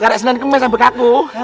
gak ada senang gemes abu kaku